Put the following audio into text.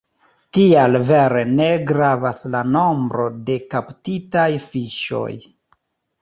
Tial vere ne gravas la nombro de kaptitaj fiŝoj.